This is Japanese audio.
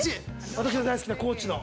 私の大好きな高知の。